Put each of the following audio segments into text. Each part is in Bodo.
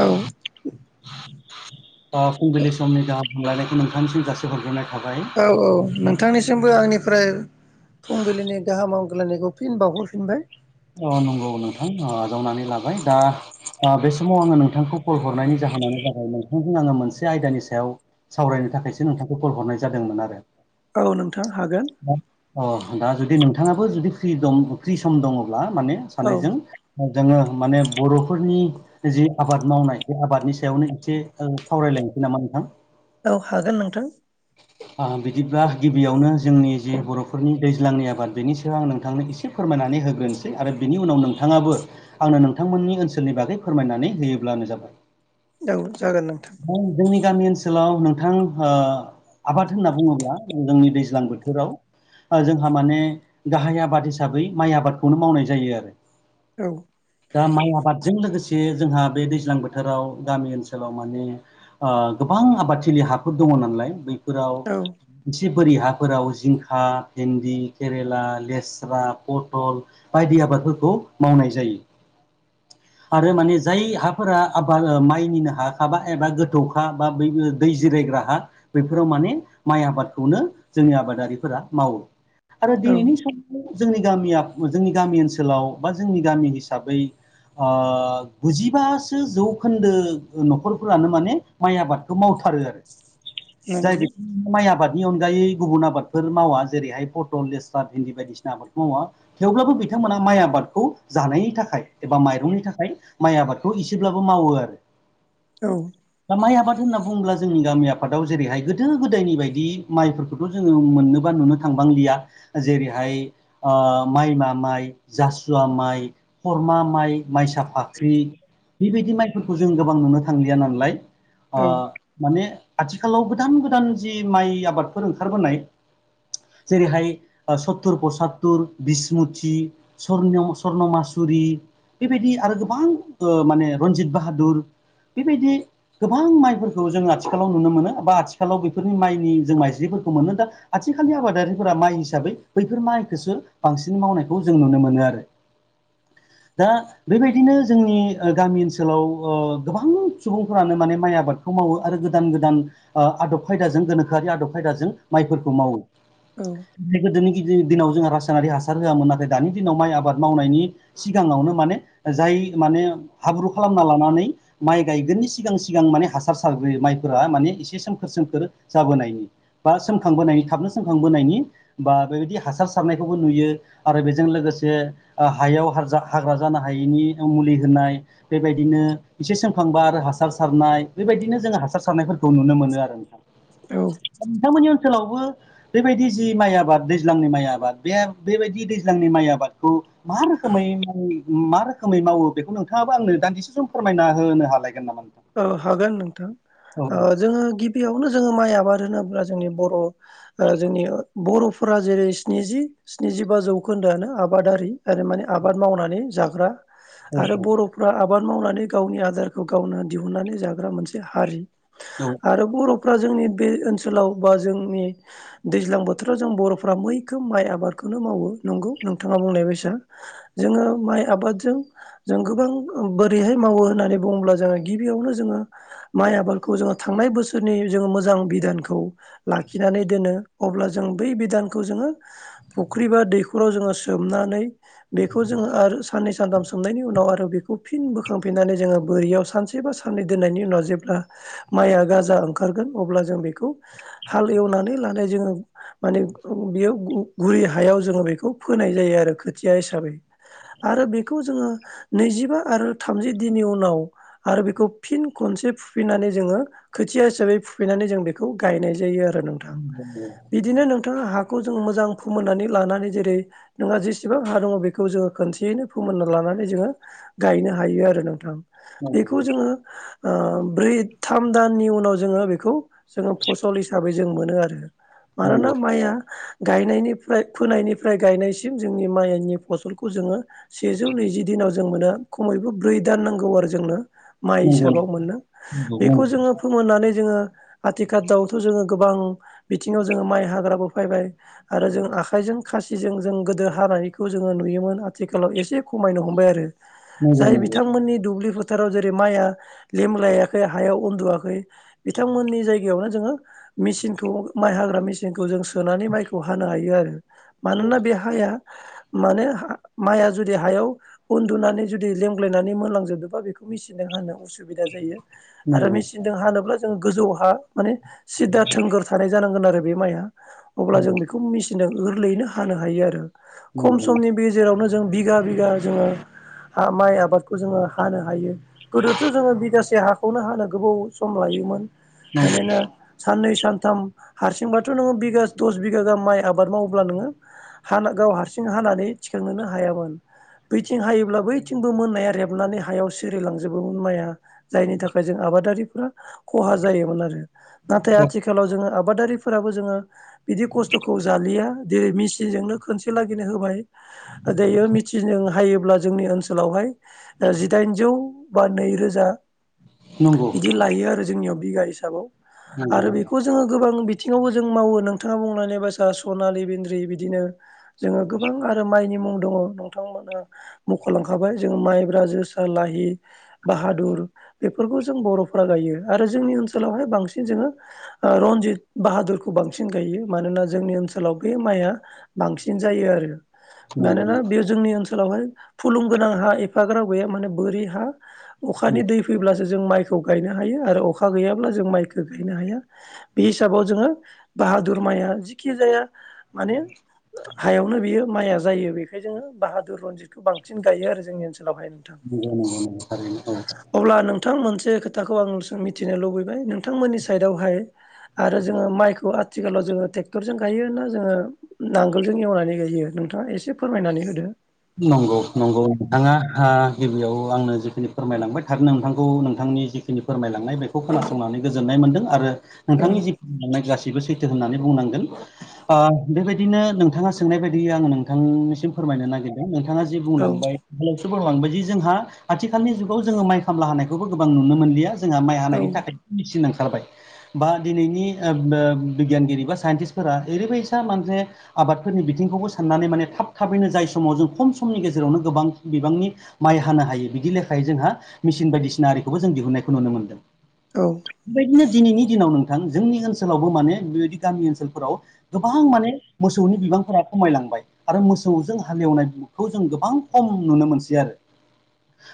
औ ओ फुंबिलि समनि गाहाम हामलायनायखौ नोंथांनिसिम जासिहरग्रोनाय थाबाय। औ -औ नोंथांनिसिमबो आंनिफ्राय फुंबिलिनि गाहाम हामलायनायखौ फिन बावहरफिनबाय। अ''नंगौ नोंथां। ओ जावनानै लाबाय दा ओ बे समाव आङो नोंथांखौ कल हरनायनि जाहोनानो जाबाय नोंथांजों आङो मोनसे आयदानि सायाव सावरायनो थाखायसो नोंथांखौ कल हरनाय जादोंमोन आरो। औ नोंथां हागोन। अ -दा जुदि नोंथाङाबो जुदि फ्रि दं फ्रि सम दङब्ला माने औ सानैजों जोङो माने बर'फोरनि जि आबाद मावनाय बे आबादनि सायावनो एसे सावरायलायनोसै नामा नोंथां। औ हागोन नोंथां। [inaudible] ओ बिदिब्ला गिबियावनो जोंनि जे बर'फोरनि दैज्लांनि आबाद बेनि सायाव आं नोंथांनो एसे फोरमायनानै होग्रोनोसै आरो बिनि उनाव नोंथाङाबो आंनो नोंथांमोननि ओनसोलनि बागै फोरमायनानै होयोब्लानो जाबाय। औ जागोन नोंथां। औ जोंनि गामि ओनसोलाव नोंथां हो आबाद होनना बुङोब्ला जों जोंनि दैज्लां बोथोराव ओ जोंहा माने गाहाय आबाद हिसाबै माइ आबादखौनो मावनाय जायो आरो। औ। दा माइ आबादजों लोगोसे जोंहा बे दैज्लां बोथोराव गामि ओनसोलाव माने ओ गोबां आबादथिलि हाफोर दङ नालाय बैफोराव औ मोनसे बोरि हाफोराव जिंखा, भेन्दि, केरेला, लेस्रा, पथल बायदि आबादफोरखौ मावनाय जायो। आरो माने जाय हाफोरा आबाद माइनिनो हाखाबा एबा गोथौखा बा बैबो दै जिरायग्रा हा बेफोराव माने माइ आबादखौनो जोंनि आबादारिफोरा मावो। औ [unintelligible] जोंनि गामिया जोंनि गामि ओनसोलाव बा जोंनि गामि हिसाबै ओ गुजिबासो जौखोन्दो न'खरफोरानो माने माइ आबादखौ मावथारो आरो जाय नंगौ बिदि माइ आबादनि अनगायै गुबुन आबादफोर मावा जेरैहाय पटल, लेस्रा, भिन्दि बायदिसिना आबादखौ मावा थेवब्लाबो बिथांमोना माइ आबादखौ जानायनि थाखाय एबा माइ माइरंनि थाखाय माइ आबादखौ एसेब्लाबो मावो आरो। औ। दा माइ आबाद होनना बुङोब्ला जोंनि गामि आफादाव जेरैहाय गोदो गोदायनि बायदि माइफोरखौ थ' जोङो मोननो बा नुनो थांबांलिया जेरैहाय ओ माइ मा माइ, जासुवा माइ, खरमा माइ माइसा फाख्रि बेबायदि माइफोरखौ जों गोबां नुनो थांलिया नालाय ओ औ माने आथिखालाव गोदान गोदान जि माइ आबादफोर ओंखारबोनाय जेरैहाय-ओ सत्तुर पसात्तुर बिस्मुथि स्वर्नमास्वर्नमासुरि बेबायदि आरो गोबां ओ माने रन्जित बाहादुर बेबायदि गोबां माइफोरखौ जों आथिखालाव नुनो मोनो बा आथिखालाव बेफोरनि माइनि जों माइज्रिफोरखौ मोनो दा आथिखालनि आबादारिफोरा माइ हिसाबै बैफोर माइखौसो बांसिन मावनायखौ जों नुनो मोनो आरो दा बेबायदिनो जोंनि गामि ओनसोलाव गोबां सुबुंफोरानो माने माइ आबाद आ मावो आरो गोदान गोदान आदब खायदाजों गोनोखोआरि आदब खायदाजों माइफोरखौ मावो औ गोदोनि गदिर दिनाव जोंहा रासायनारि हासार होआमोन नाथाय दानि दिनाव माइ आबाद मावनायनि सिगाङावनो माने जाय माने हाब्रु खालामना लानानै माइ गायगोननि सिगां सिगां माने हासार सारग्रोयो माइफोरा माने एसे सोमखोर सोमखोर जाबोनायनि बा सोंखांबोनायनि थाबनो सोंखांबोनायनि बा बेबायदि हासार सारनायखौबो नुयो आरो बेजों लोगोसे हायाव हारजा हाग्रा जानो हायैनि मुलि होनाय बेबायदिनो एसे सोंखांबा आरो हासार सारनाय बेबायदिनो जोङो हासार सारनायफोरखौ खौ नुनो मोनो आरो नोंथां औ नोंथांमोननि ओनसोलावबो बेबायदि जि माइ आबाद दैज्लांनि माइ आबाद बे बेबायदि दैज्लांनि माइ आबादखौ मा रोखोमै आं मा रोखोमै मावो बेखौ नोंथाङाबो आंनो दान्दिसे सम फोरमायना होनो हालायगोन नामा औ हागोन औ नोंथां जोङो गिबियावनो जोङो माइ आबाद होनोब्ला जोंनि बर' ओ जोंनि बर'फोरा जेरै स्निजि स्निजिबा जौखोन्दोआानो आबादारि आरो माने आबाद मावनानै जाग्रा आरो औ बर'फ्रा आबाद मावनानै गावनि आदारखौ गावनो दिहुननानै जाग्रा मोनसे हारि औ आरो बर'फ्रा जोंनि बे ओनसोलाव बा जोंनि दैज्लां बोथोराव जों बर'फ्रा मैखौ माइ आबादखौनो मावो नंगौ नोंथाङा बुंलायबायसा जोङो माइ आबादजों जों गोबां बोरैहाय मावो होननानै बुङोब्ला जों गिबियावनो जोङो माइ आबादखौ जोङो थांनाय बोसोरनि जोङो मोजां बिधानखौ लाखिनानै दोनो अब्ला जों बै बिधानखौ जोङो फुख्रि बा दैखराव जोङो सोमनानै बेखौ जोङो आरो साननै सानथाम सोंनायनि उनाव आरो बेखौ फिन बोखांफिननानै जोङो बोरैयाव सानसे एसेबा साननै दोननायनि उनाव जेब्ला माइआ गाजा ओंखारगोन अब्ला जों बेखौ हाल एवनानै लानाय जोङो माने बेयो गुरि हायाव जोङो बेखौ फोनाय जायो आरो खोथिया हिसाबै आरो बेखौ जोङो नैजिबा आरो थामजि दिननि उनाव आरो बेखौ फिन खनसे फुफिननानै जोङो खोथिया हिसाबै फुफैनानै जों बेखौ गायनाय जायो आरो नोंथां नंगौ बिदिनो नोंथाङा हा बेखौ जों मोजां फोमोननानै लानानै जेरै नोंहा जेसेबां हा दङ बेखौ जोङो खनसेयैनो फोमोनना लानानै जोङो गायनो हायो आरो नोंथां बेखौ नंगौ जोङो ओ ब्रै थाम दाननि उनाव जोङो बेखौ जोङो फसल हिसाबै जों मोनो आरो मानोना नंगौ माइया गायनायनिफ्राय फोनायनिफ्राय गायनायसिम जोंनि माइनि फसलखौ जोङो सेजौ नैजि दिनाव जों मोनो खमैबो ब्रै दान नांगौ आरो जोंनो माइ नंगौ नंगौ हिसाबाव मोनो नंगौ नंगौ बेखौ जोङो फोमोननानै जोङो आथिखाल दाउथ' जोङो गोबां बिथिङाव जोङो माइ हाग्राबो फैबाय आरो जों आखाइजों खासिजों जों गोदो हानायखौ जोङो नुयोमोन आथिखालाव एसे खमायनो हमबाय आरो। जाय नंगौ बिथांमोननि दुब्लि फोथाराव जेरै माइआ लेमलायाखै हायाव उन्दुवाखै बिथांमोननि जायगायावनो जोङो मेचिनखौ माइ हाग्रा मेचिनखौ जों सोनानै माइखौ हानो हायो आरो। मानोना बे हाया माने माइआ जुदि हायाव उन्दुनानै जुदि लेंग्लायनानै मोनलांजोबदोंबा बेखौ मेसिनजों हानो उसुबिदा जायो आरो नंगौ नंगौ मेचिनजों हानोब्ला जों गोजौ हा माने सिदा थोंगोर थानाय जानांगोन आरो बे माइआ अब्ला जों बेखौ मिसि सिनजों गोरलैैनो हानो हायो आरो खम समनि बे जेरावनो जों बिगा बिगा जोङो माइ आबादखौ जोङो हानो हायो। गोदोथ' जोङो बिगासे हाखौनो हानो गोबाव सम लायोमोन मानोना साननै सानथाम हारसिंबाथ' नोङो बिगा दस बिगा गाहाम माइ आबाद मावोब्ला नोङो हाना गाव हारसिं हानानै थिखांहोनो हायामोन। बैथिं हायोब्ला बैथिंबो मोननाया रेबनानै हायावसो सिरिलांजोबोमोन माइया जायनि थाखाय जों आबादारिफोरा खहा जायोमोन आरो। नाथाय आथिखालाव जोङो आबादारिफोराबो जोङो बिदि खस्थ'खौ जालिया जेरै मेसिनजोंनो खनसे लागिनो होबाय। दायो मिथिनो हायोब्ला जोंनि ओनसोलावहाय जिदाइन जौ बा नैरोजा नंगौ बिदि लायो जोंनि बिगा हिासाबाव आरो बेखौ जो जोङो गोबां बिथिङावबो जों मावो नोंथाङा बुंनानै बा सनालि बेन्द्रि बिदिनो जोङो गोबां आरो माइनि मुं दङ नोंथांमोना मख'लांखाबाय जों माइब्रा जो सा लाहि बाहादुर बेफोरखौ जों बर'फोरा गायो आरो जोंनि ओनसोलावहाय बांसिन जोङो रनजित बाहादुरखौ बांसिन गायो मानोना जोंनि ओनसोलाव बे माइआ बांसिन जायो आरो। मानोना बेयो जोंनि ओनसोलावहाय फुलुंगोनां हा एफाग्राब गैया माने बोरि हा नंगौ अखानि दै फैब्लासो जों माइखौ गायनो हायो आरो अखा गैयाब्ला जों माइखो गायनो हाया। बे हिसाबाव जोङो बाहादुर माइया जिखि जाया माने हायावनो बियो माइाया जायो बेखायनो जोङो बाहादुर रनजित बेखौ बांसिन गायो आरो जोंनि ओनसोलावहाय नोंथां। औ थारैनो औ अब्ला नोंथां मोनसे खोथाखौ आं मिथिनो लुबैबाय नोंथांमोननि साइडआवहाय आरो जोङो माइखौ आथिखालाव जोङो ट्रेक्टरजों गायोना जोङो नांगोलजों एवनानै गायो नोंथाङा एसे फोरमायनानै होदो। नंगौ नंगौ नोंथाङा ओ गिबियाव आंनो जिखिनि फोरमायलांबाय थारनो नोंथांखौ नोंथांनि जि खिनि फोरमायलांनाय बेखौ खोनासंनानै गोजोननाय मोनदों आरो औ नोंथांनि जि बुंनाय गासैबो सैथो होननानै बुंनांगोन। ओ बेबायदिनो नोंथाङा सोंनाय बायदिय आङो नोंथांनिसिम फोरमायनो नागिर दों नोंथाङा जे औ बुंलांबाय [unintelligible] बायदि जोंहा आथिखालनि जुगाव जोङो माइ खामला होनानायखौबो गोबां नुनो मोनलिया। जोंहा माइ औ हानायनि थाखाय मेसिन ओंखारबाय। बा दिनैनि ओ बिगियानगिरि बा साइन्टिस्टफोरा ओरैबायसा मोनसे आबादफोरनि बिथिंखौबो साननानै माने थाब थाबैनो जाय समाव जों खम समनि गेजेरावनो गोबां बिबांनि माइ हानो हायो बिदि लेखायै जोंहा मेसिन बायदिसिना आरिखौबो जों दिहुनायखौ नुनो मोनदों। औ। बेबायदिनो दिनैनि दिनाव नोंथां जोंनि ओनसोलावबो माने बेबायदि गामि ओनसोलफोराव गोबां माने मोसौनि बिबांफोरा खमायलांबाय आरो मोसौजों हालेवनाय खौ जों गोबां खम नुनो मोनसै आरो।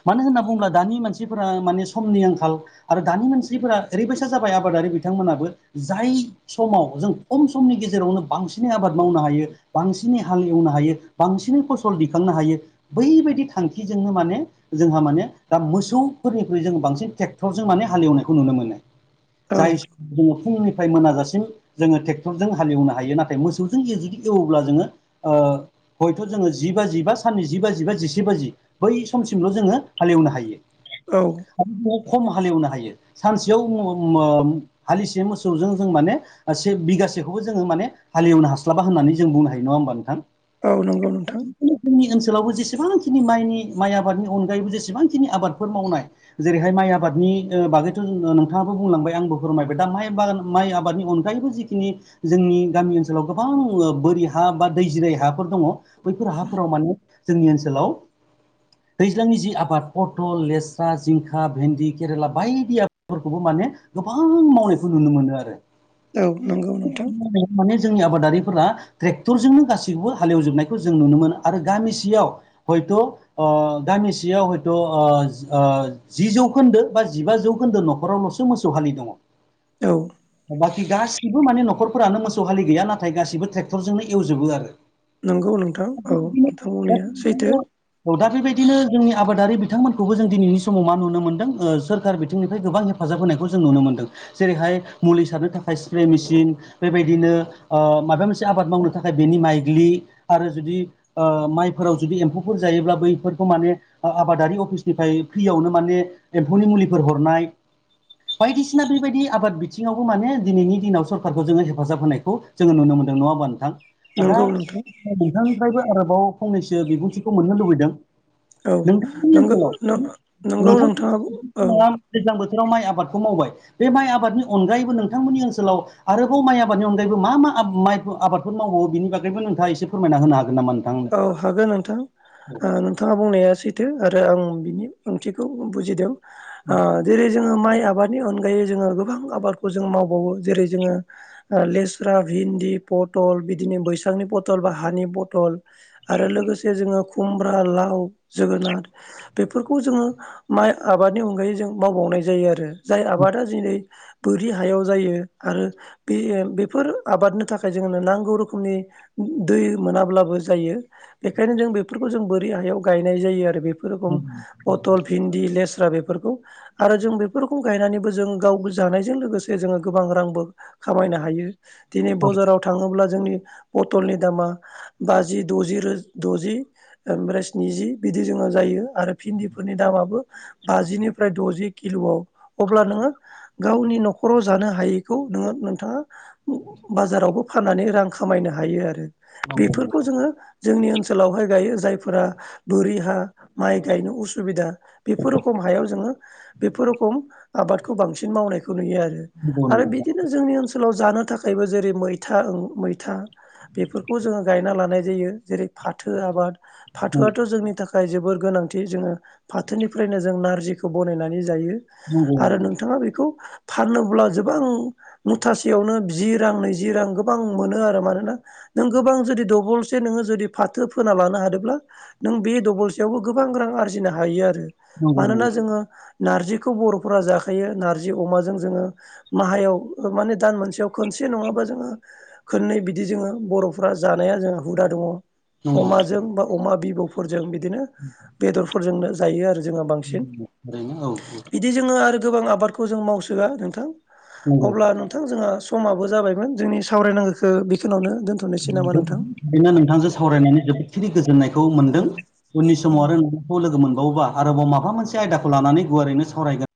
मानो होनना बुङोब्ला दानि मानसिफोरा माने समनि आंखाल। आरो दानि मानसिफोरा ओरैबायसा जाबाय आबादारि बिथांमोनाबो जाय समाव जों खम समनि गेजेरावनो बांसिनै आबाद मावनो हायो। बांसिनै हाल एवनो हायो बांसिनै फसल दिखांनो हायो बैबायदि थांखिजोंनो माने जोंहा माने दा मोसौफोरनिफ्रायुइ जोङो बांसिन ट्रेक्टरजों माने हालेवनायखौ नुनो मोनो। औ जाय सम जोङो फुंनिफ्राय मोनाजासिम जोङो ट्रेक्टरजों हालेवनो हायो नाथाय मोसौजों जुदि एवोब्ला जोङो हयथ' जोङो जि बाजि बा साननै जि बाजि बा जिसे बाजि बै समसिमल' जोङो हालेवनो हायो। औ। आरो बे खम हालेवनो हायो। सानसेयाव हालिसे मोसौजों जों माने से बिगासेखौबो जोङो माने हालेवनो हास्लाबा होननानै जों बुंनो हायो नङा होनोमबा नोंथां। औ नंगौ नोंथां। जोंनि ओनसोलावबो जेसेबांखिनि माइनि माइ आबादनि अनगायैबो जेसेबांखिनि आबादफोर मावनाय जेरैहाय माइ आबादनि बागैथ' नोंथाङाबो बुंलांबाय आंबो फोरमायबाय दा माइ बागान माइ आबादनि अनगायैबो जिखिनि जोंनि गामि ओनसोलाव गोबां बोरि हा बा दै जिराय हाफोर दङ। बैफोर हाहाफोराव माने जोंनि ओनसोलाव दैज्लांनि जि आबाद पथल लेस्रा जिंखा भेन्दि केरेला बायदि आबादफोरखौबो माने गोबां मावनायखौ नुनो मोनदों आरो। औ नंगौ नोंथां माने जोंनि आबादारिफोरा ट्रेक्टरजोंनो गासैखौबो हालेवजोबनाय खौ जों नुनो मोनो आरो गामिसेयाव हयथ' गामिसेयाव हयथ' जि जौखोन्दो बा जिबा जौखोन्दो न'खरावल'सो मोसौ हलि दङ औ। बाखि गासिबो माने न'खरफोरानो मोसौ हालि गैया नाथाय गासिबो ट्रेक्टरजोंनो एवजोबो आरो। नंगौ नोंथां औ नोंथां बुंनाया सैथो। औ दा बेबायदिनो जोंनि आबादारि बिथांमोनखौबो जों दिनैनि समाव मा नुनो मोनदों सोरखार बिंनिफ्राय गोबां हेफाजाब होनायखौ जों नुनो मोन्दों जेरैहाय मुलि सारनो थाखाय स्प्रे मेसिन बेबायदिनो माबा मोनसे आबाद मावनो थाखाय बेनि माइग्लि आरो जुदि माइफोराव जुदि एम्फौफोर जायोब्ला बैफोरखौ माने आबादारि अफिसनिफ्राय फ्रियावनो माने एम्फौनि मुलिफोर हरनाय बायदिसिना बेबायदि आबाद बिथिङावबो माने दिनैनि दिनाव सरखारारखौ जोङो हेफाजाब होनायखौ जोङो नुनो मोनदों नङा होमबा नोंथां? दा नंगौ नोंथां नोंथांनिफ्रायबो आरोबाव फंनैसो बिबुंथिखौ मोननो लुबैदों। औ नोंथांनि नंगौ ओनसोलाव नंगौ नोंथां नोंथाङा औ दैज्लां बोथोराव माइ आबादखौ मावबाय बे माइ आबादनि अनगायैबो नोंथांमोननि ओनसोलाव आरोबाव माइ आबादनि अनगायबो मा मा माइ आबादफोर मावबावो बिनि बागैबो नोंथाङा एसे फोरमायना होनो हागोन नामा? नोंथां औ हागोन नोंथां नोंथाङा बुंनाया आरो आं बिनि ओंथिखौ बुजिदों। जेरै जोङो माइ आबादनि अनगायै जोङो गोबां आबादखौ जों मावबावो जेरै जोङो लेस्रा भिन्दि पथल बिदिनो बैसांनि पथल बा हानि पथल आरो लोगोसे जोङो खुमब्रा लाव जोगोनार बेफोरखौ जोङो माइ आबादनि अनगायै जों मावबावनाय जायो आरो। जाय आबादा दिनै बोरि हायाव जायो आरो बे बेफोर आबादनि थाखाय जोंनो नांगौ रोखोमनि दै मोनाब्लाबो जायो। बेखायनो जों बेफोरखौ बोरि हायाव गायनाय जायो आरो बेफोर रकम पटल भिन्दि लेस्रा बेफोरखौ आरो जों बेफोरखौ गायनानैबो जों गाव जानायजों लोगोसे जोङो गोबां रांबो खामायनो हायो दिनै बाजाराव थाङोब्ला जोंनि पतलनि दामा जि द'जि रो द'जि ओमफ्राय स्निजि बिदि जोङो जायो। आरो भिन्दिफोरनि दामाबो बाजिनिफ्राय द'जि किल'आव अब्ला नोङो गावनि न'खराव जानो हायैखौ नोङो नोंथाङा बाजारावबो फाननानै रां खामायनो हायो आरो बेफोर आंनो? जोङो जोंनि ओनसोलावहाय गायो जायफोरा बोरि हा माइ गायनो उसुबिदा बेफोर रोखम हायाव जोङो बेफोर रखम आबादखौ बांसिन मावनायखौ नुयो आरो आरो बिदिनो जोंनि ओनसो सोलाव जानो थाखायबो जेरै मैथा-मैथा बेफोरखौ जोङो गायना लानाय जायो जेरै फाथो आबाद नंगौ फाथोआथ' जोंनि थाखाय खाय जोबोर गोनांथि जोङो फाथोनिफ्रायनो जों नारजिखौ बानायनानै जायो। आरो नंगौ नोंथाङा बेखौ फानोब्ला गोबां मुथासेयावनो जि रां नैजि रां गोबां मोनो आरो मानोना नों गोबां जुदि दबलसे नोङो जुदि फाथो फोना लानो हादोंब्ला नों बे दबलसेयावबो गोबां रां आरजिनो हायो आरो मानोना नंगौ जोङो नार्जिखौ बर'फोरा जाखायो नारजि अमाजों जोङो माहायाव माने दान मोनसेयाव खनसे नङाबा जोङो खननै बिदि जोङो बर'फ्रा जानाया जोंहा हुदा दङ नंगौ अमाजों बा अमा बिबुफोरजों बिदिनो [inaudible] फोरजोंनो जायो आरो जोंहा बांसिन। नंगौ ओरैनो औ दि जोङो आरो गोबां आबादखौ जों मावसोयो नोंथां नंगौ अब्ला नथां जोंहा समाबो जाबायमोन जोंनि सावरायनांगौखौ बेखिनावनो दोनथ'नो बेनो नोंथांजों सावरायनानै जोबोदखिनि गोजोननायखौ औ मोनदों उननि समाव औ आरो नों खौ लोगो मोनबावोबा आरोबाव माबा मोनसे आयदाखौ लानानै गुवारैनो सावरायगोन